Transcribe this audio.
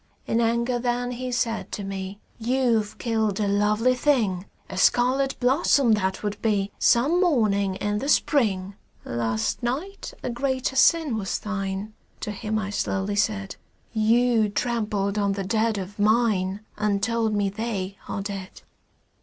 In anger then he said to me: "You've killed a lovely thing; A scarlet blossom that would be Some morning in the Spring." "Last night a greater sin was thine," To him I slowly said; "You trampled on the dead of mine And told me they are dead."